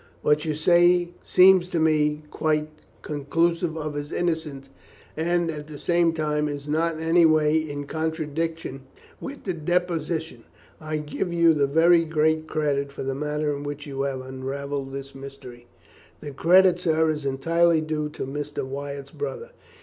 What you say seems to me quite conclusive of his innocence, and, at the same time, is not in any way in contradiction with the deposition. I give you very great credit for the manner in which you have unravelled this mystery." "The credit, sir, is entirely due to Mr. Wyatt's brother.